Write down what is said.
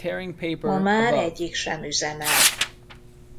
Ma már egyik sem üzemel.